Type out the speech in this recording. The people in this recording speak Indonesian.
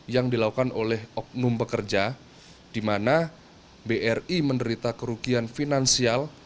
yang dilakukan oleh oknum pekerja di mana bri menderita kerugian finansial